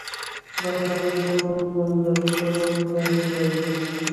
بهرنیو ملکونو ته تللی.